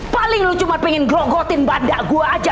paling lu cuma pengen grogotin bandak gua aja